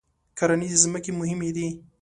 کرنیزې ځمکې مهمې دي.